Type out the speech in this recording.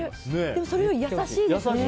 でも、それより優しいですね。